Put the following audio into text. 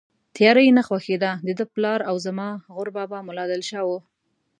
تیاره یې نه خوښېده، دده پلار او زما غور بابا ملا دل شاه و.